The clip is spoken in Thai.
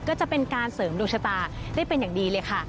ก็จะเป็นการเสริมดวงชะตาได้เป็นอย่างดีเลยค่ะ